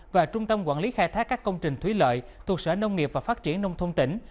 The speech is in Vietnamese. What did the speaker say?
và trung tâm quản lý khai thác các công trình thủy lợi thuộc sở nông nghiệp và phát triển nông thôn tỉnh